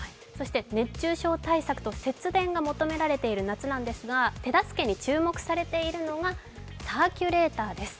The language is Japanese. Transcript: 熱中症対策と節電が求められてる夏なんですが手助けに注目されているのがサーキュレーターです。